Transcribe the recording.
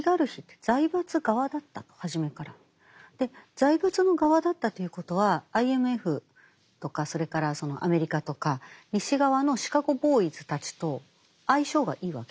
財閥の側だったということはＩＭＦとかそれからアメリカとか西側のシカゴ・ボーイズたちと相性がいいわけです。